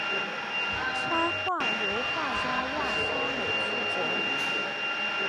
插画由画家亚沙美负责。